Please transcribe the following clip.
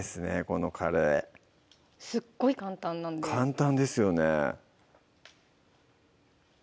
このカレーすっごい簡単なんで簡単ですよね